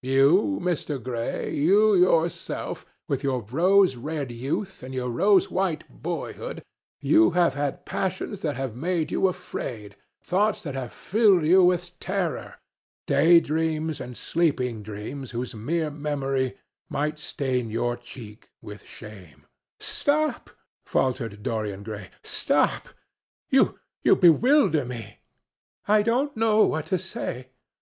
You, Mr. Gray, you yourself, with your rose red youth and your rose white boyhood, you have had passions that have made you afraid, thoughts that have filled you with terror, day dreams and sleeping dreams whose mere memory might stain your cheek with shame—" "Stop!" faltered Dorian Gray, "stop! you bewilder me. I don't know what to say.